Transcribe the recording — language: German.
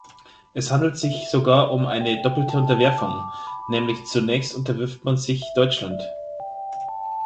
Es handelt sich sogar um eine doppelte Unterwerfung, nämlich zunächst unterwirft man sich Deutschland.